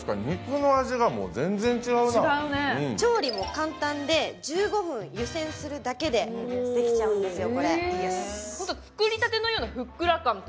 調理も簡単で、１５分湯せんするだけで作れちゃうんですよ。